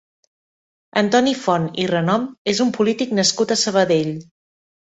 Antoni Font i Renom és un polític nascut a Sabadell.